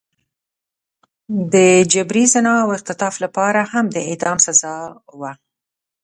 د جبري زنا او اختطاف لپاره هم د اعدام سزا وه.